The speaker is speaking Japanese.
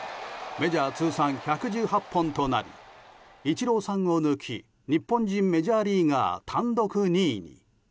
メジャー通算１１８本となりイチローさんを抜き日本人メジャーリーガー単独２位に。